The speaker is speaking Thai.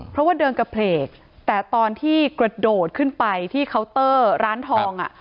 เพราะว่าเดินกระเพลกแต่ตอนที่กระโดดขึ้นไปที่เคาน์เตอร์ร้านทองอ่ะ